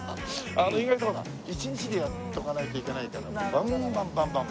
意外とほら１日でやっとかないといけないからバンバンバンバン。